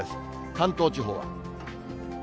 関東地方は。